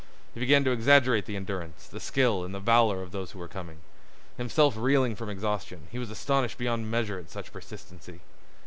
He began to exaggerate the endurance, the skill, and the valor of those who were coming. Himself reeling from exhaustion, he was astonished beyond measure at such persistency.